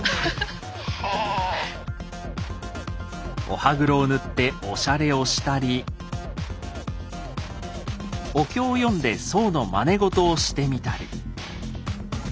お歯黒を塗っておしゃれをしたりお経を読んで僧のまねごとをしてみたり。